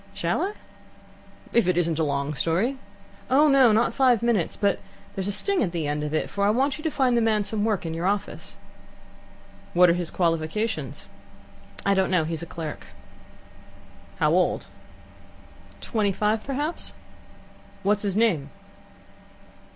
"Shall I?" "If it isn't a long story." "Oh, not five minutes; but there's a sting at the end of it, for I want you to find the man some work in your office." "What are his qualifications?" "I don't know. He's a clerk." "How old?" "Twenty five, perhaps." "What's his name?"